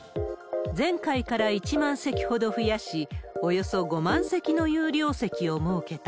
前回から１万席ほど増やし、およそ５万席の有料席を設けた。